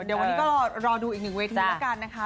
เดี๋ยววันนี้ก็รอดูอีกหนึ่งเวทีแล้วกันนะคะ